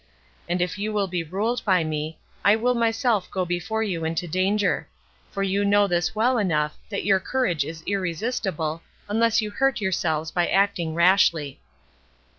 And if you will be ruled by me, I will myself go before you into danger; for you know this well enough, that your courage is irresistible, unless you hurt yourselves by acting rashly."